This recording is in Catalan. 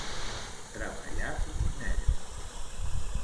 Treballar com un negre.